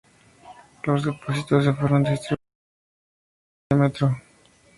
Los depósitos se fueron distribuyendo en función al diámetro.